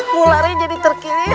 mulanya jadi terkilir